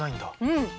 うん。